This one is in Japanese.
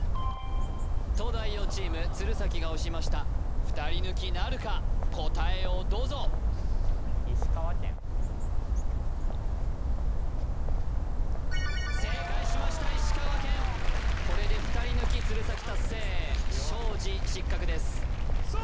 東大王チーム・鶴崎が押しました２人抜きなるか答えをどうぞこれで２人抜き鶴崎達成庄司失格ですさあ